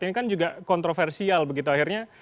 ini kan juga kontroversial begitu akhirnya